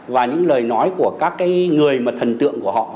và những lời nói của các cái người mà thần tượng của họ